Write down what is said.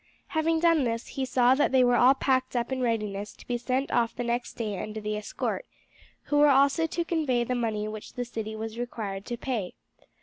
Having done this he saw that they were all packed up in readiness to be sent off the next day under the escort, who were also to convey the money which the city was required to pay.